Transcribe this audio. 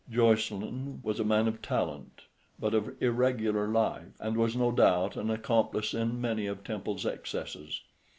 Jocelyn was a man of talent, but of irregular life, and was no doubt an accomplice in many of Temple's excesses.